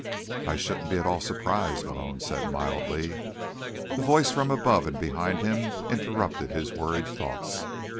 "I shouldn't be at all surprised," Malone said mildly. A voice from above and behind him interrupted his worried thoughts.